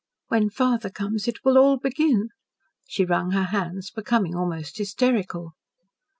When father comes it will all begin." She wrung her hands, becoming almost hysterical.